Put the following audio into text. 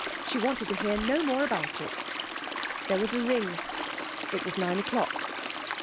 She wanted to hear no more about it. There was a ring. It was nine o'clock.